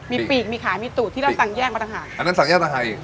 มีปีกมีขายมีตุ๋นที่เราสั่งแยกมาต่างหากอันนั้นสั่งแยกต่างหากอีก